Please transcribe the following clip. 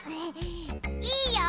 いいよ！